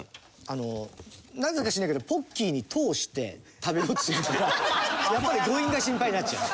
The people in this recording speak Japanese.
あのなんでか知らないけどポッキーに通して食べようとするからやっぱり誤飲が心配になっちゃう。